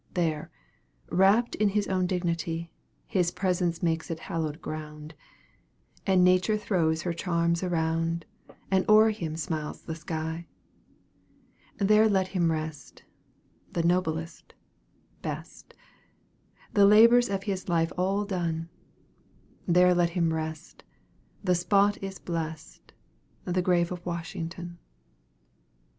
There, wrapt in his own dignity, His presence makes it hallowed ground, And Nature throws her charms around, And o'er him smiles the sky. There let him rest the noblest, best; The labors of his life all done There let him rest, the spot is blessed The grave of WASHINGTON.